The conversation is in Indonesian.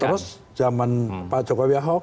terus zaman pak jokowiahok